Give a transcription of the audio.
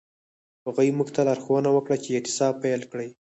هغوی موږ ته لارښوونه وکړه چې اعتصاب پیل کړئ.